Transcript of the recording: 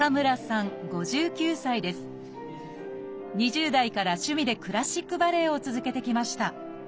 ２０代から趣味でクラシックバレエを続けてきました。